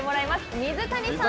水谷さん。